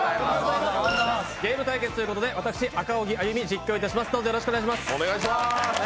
ゲーム対決ということで、私、赤荻歩実況いたします。